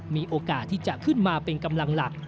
มีโอกาสที่จะขึ้นมาเป็นกำลังหลัก